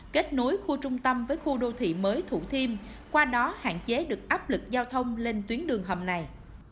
kết nối khu trung tâm với khu đô thị mới thủ thiêm qua đó hạn chế được áp lực giao thông lên tuyến đường hầm này